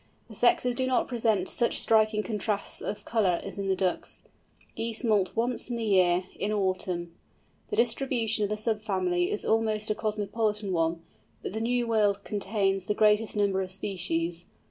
The sexes do not present such striking contrasts of colour as in the Ducks. Geese moult once in the year, in autumn. The distribution of the sub family is almost a cosmopolitan one, but the New World contains the greatest number of species.